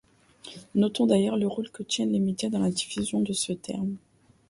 Notons d'ailleurs le rôle que tiennent les médias dans la diffusion de ce terme.